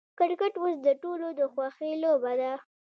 کرکټ اوس د ټولو د خوښې لوبه ده.